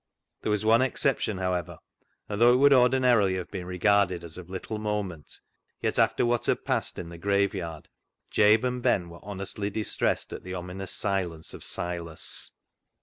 There was one excep tion, however, and though it would ordinarily have been regarded as of little moment, yet after what had passed in the graveyard, Jabe and Ben were honestly distressed at the ominous absence of Silas.